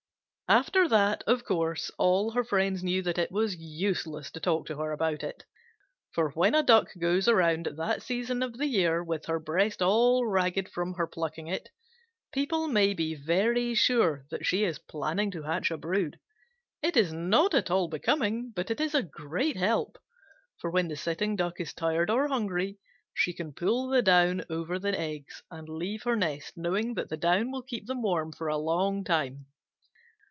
After that, of course, all her friends knew that it was useless to talk to her about it, for when a Duck goes around at that season of the year with her breast all ragged from her plucking it, people may be very sure that she is planning to hatch a brood. It is not at all becoming, but it is a great help, for when the sitting Duck is tired or hungry, she can pull the down over the eggs and leave her nest, knowing that the down will keep them warm for a long time.